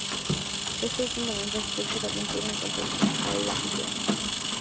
Este último, en el transcurso de la aventura, encontró el Anillo Único.